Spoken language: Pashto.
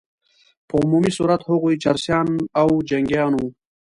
په عمومي صورت هغوی چرسیان او جنګیان وه.